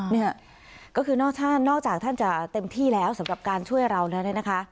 เนี่ยก็คือนอกจากท่านจะเต็มที่แล้วสำหรับการช่วยเราแล้วเนี่ยนะคะ